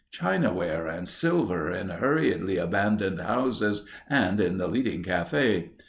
Chinaware and silver in hurriedly abandoned houses and in the leading cafe.